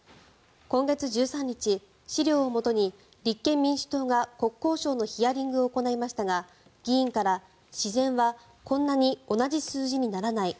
今月１３日、資料をもとに立憲民主党が国交省のヒアリングを行いましたが議員から自然はこんなに同じ数字にならない